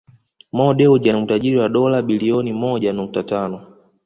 Mo Dewji ana utajiri wa dola bilioni moja nukta tano